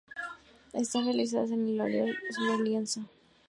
Está realizada en óleo sobre lienzo.